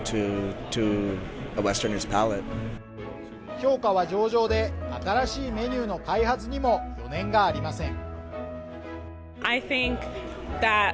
評価は上々で、新しいメニューの開発にも余念がありません。